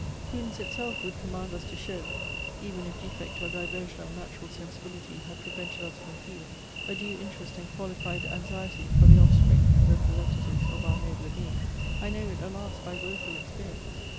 Prudence itself would command us to show, even if defect or diversion of natural sensibility had prevented us from feeling, a due interest and qualified anxiety for the offspring and representatives of our nobler being. I know it, alas! by woful experience.